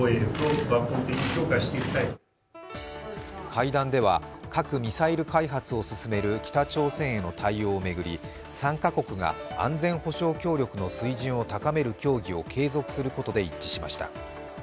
会談では、核・ミサイル開発を進める北朝鮮への対応を巡り、３カ国が安全保障協力の水準を高める協議を継続することで一致しました。